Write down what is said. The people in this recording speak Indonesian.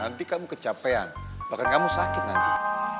nanti kamu kecapean bahkan kamu sakit nanti